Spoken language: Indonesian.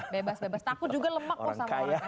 bebas bebas takut juga lemak kok sama ya